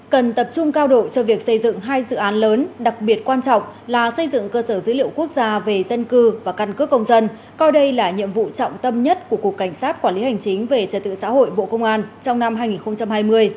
cần tập trung cao độ cho việc xây dựng hai dự án lớn đặc biệt quan trọng là xây dựng cơ sở dữ liệu quốc gia về dân cư và căn cước công dân coi đây là nhiệm vụ trọng tâm nhất của cục cảnh sát quản lý hành chính về trật tự xã hội bộ công an trong năm hai nghìn hai mươi